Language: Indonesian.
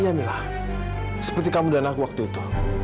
iya mila seperti kamu dan aku waktu itu